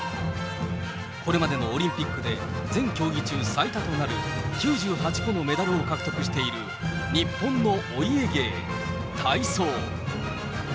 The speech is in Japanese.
これまでのオリンピックで、全競技中、最多となる９８個のメダルを獲得している、日本のお家芸、体操。